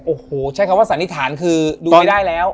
โอ้โหใช้คำว่าสันนิษฐานคือดูไม่ได้แล้ว